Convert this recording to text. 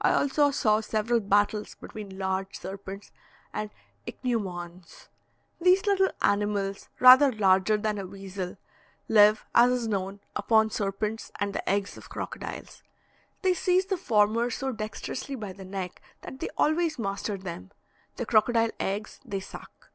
I also saw several battles between large serpents and ichneumons. These little animals, rather larger than a weasel, live, as is known, upon serpents and the eggs of crocodiles. They seize the former so dexterously by the neck that they always master them; the crocodile eggs they suck.